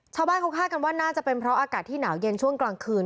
ชาวบ้านเขาคาดกันว่าน่าจะเป็นเพราะอากาศที่หนาวเย็นช่วงกลางคืน